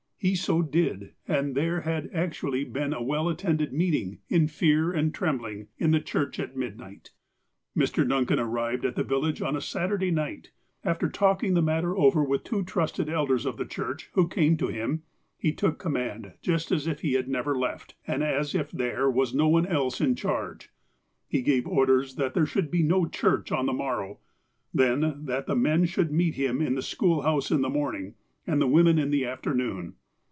He so did, and there had actually been a well attended meeting, in fear and trembling, in the church at mid night. Mr. Duncan arrived at the village on a Saturday night. After talking the matter over with two trusted elders of the church, who came to him, he took command just as if he had never left, and as if there was no one else in charge. He gave orders that there should be no church on the morrow. Then, that the men should meet him in the schoolhouse in the morning, and the women in the after noon.